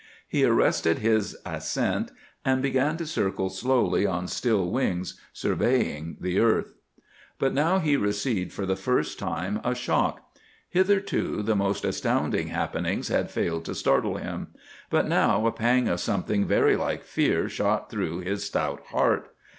He arrested his ascent, and began to circle slowly on still wings, surveying the earth. But now he received, for the first time, a shock. Hitherto the most astounding happenings had failed to startle him, but now a pang of something very like fear shot through his stout heart.